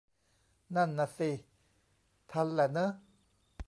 นั่นน่ะสิ ทันแหละเนอะ